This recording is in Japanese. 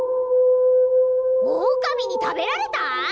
オオカミにたべられたぁ！？